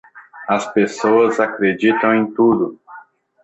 As pessoas acreditam em tudo